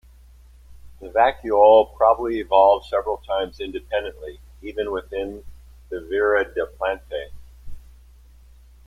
The vacuole probably evolved several times independently, even within the Viridiplantae.